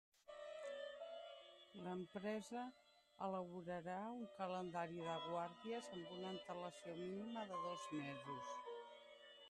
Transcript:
L'empresa elaborarà un calendari de guàrdies amb una antelació mínima de dos mesos.